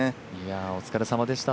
お疲れさまでした